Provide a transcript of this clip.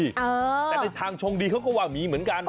แต่ในทางชงดีเขาก็ว่ามีเหมือนกัน